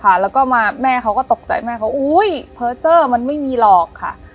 ค่ะแล้วก็มาแม่เขาก็ตกใจแม่เขาอุ้ยมันไม่มีหลอกค่ะ